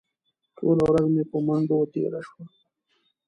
ټوله ورځ مې په منډو تېره شوه.